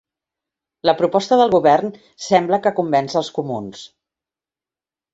La proposta del govern sembla que convenç als comuns